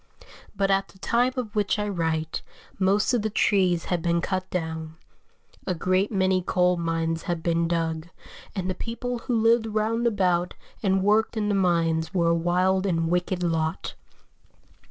But at the time of which I write, most of the trees had been cut down; a great many coal mines had been dug, and the people who lived round about and worked in the mines were a wild and wicked lot.